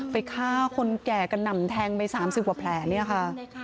ไปฆ่าคนแก่กระหน่ำแทงไป๓๐กว่าแผลเนี่ยค่ะ